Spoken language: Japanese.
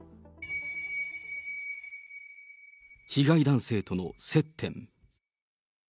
被害男性との接点。